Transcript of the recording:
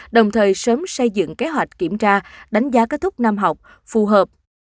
đồng thời sớm xây dựng kế hoạch kiểm tra đánh giá kết thúc năm học phù hợp